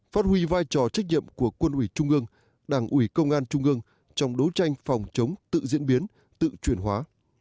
phát huy vai trò trách nhiệm của quân ủy trung ương đảng ủy công an trung ương trong đấu tranh phòng chống tự diễn biến tự truyền hóa